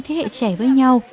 thế hệ trẻ với nhau